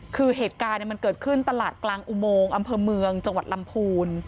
คือเหตุการณ์มันเกิดขึ้นตลาดกลางอุโมงอำเภอเมืองจังหวัดลำพูน